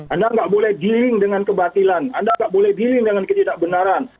anda nggak boleh dealing dengan kebatilan anda nggak boleh dealing dengan ketidakbenaran